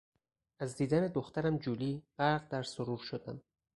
از دیدن دخترم جولی غرق در سرور شدم.